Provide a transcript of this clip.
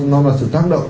nó là sự tác động